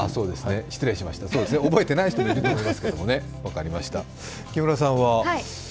失礼しました、覚えていない人もいると思いますけどね分かりました。